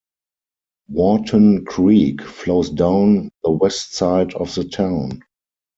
Wharton Creek flows down the west side of the town.